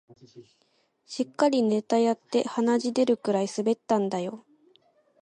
しっかりネタやって鼻血出るくらい滑ったんだよ